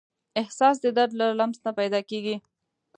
احساس د درد له لمس نه پیدا کېږي.